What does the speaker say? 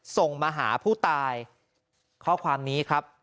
ส่งมาหาผู้ตายข้อความนี้ครับ